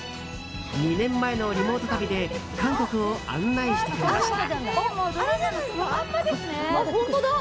２年前のリモート旅で韓国を案内してくれました。